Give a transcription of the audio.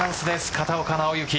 片岡尚之。